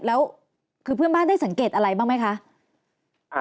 แล้วคือเพื่อนบ้านได้สังเกตอะไรบ้างไหมคะ